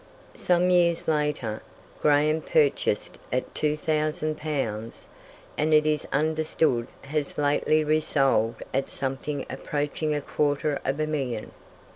Some years later, Graham purchased at 2,000 pounds, and it is understood has lately resold at something approaching a quarter of a million.